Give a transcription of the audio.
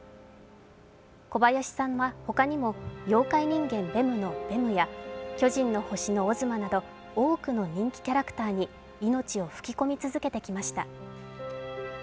小林さんは他にも「妖怪人間ベム」のベムや「巨人の星」のオズマなど多くの人気キャラクターに命を吹き込み続けてきました。